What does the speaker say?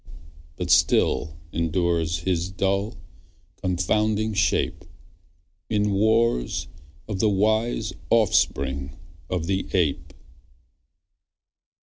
But still endures his dull, confounding shape: In wars of the wise offspring of the ape.